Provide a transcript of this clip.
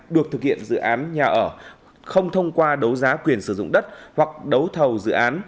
được thực hiện dự án nhà ở không thông qua đấu giá quyền sử dụng đất hoặc đấu thầu dự án